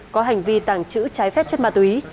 có hành vi tàng trữ trái phép chất ma túy